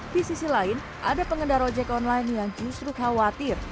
di sisi lain ada pengendara ojek online yang justru khawatir